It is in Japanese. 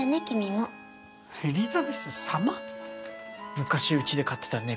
昔うちで飼ってた猫。